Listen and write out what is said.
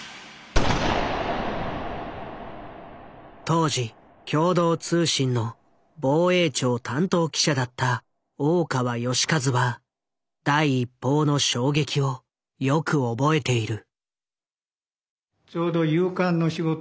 当時共同通信の防衛庁担当記者だった大川義一は第一報の衝撃をよく覚えている。